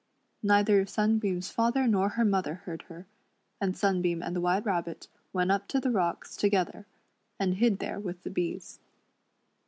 Neither Sunbeam's father nor her mother heard her, and Sun beam and the White Rabbit went up to the rocks together, and hid there with the bees.